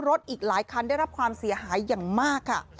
อีกหลายคันได้รับความเสียหายอย่างมากค่ะ